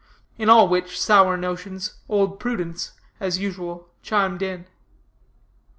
In all which sour notions Old Prudence, as usual, chimed in.